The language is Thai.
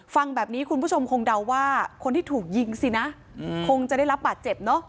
ฟังแบบนี้คุณผู้ชมคงเดาว่าคนที่ถูกยิงสินะคงจะได้รับบาดเจ็บเนอะ